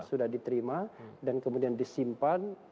sudah diterima dan kemudian disimpan